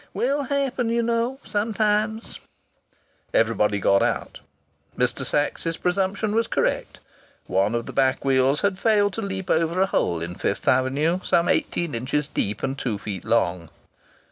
"Will happen, you know, sometimes!" Everybody got out. Mr. Sachs's presumption was correct. One of the back wheels had failed to leap over a hole in Fifth Avenue some eighteen inches deep and two feet long.